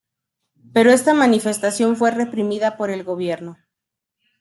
Pero esta manifestación fue reprimida por el Gobierno.